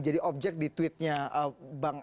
jadi objek di tweet nya bang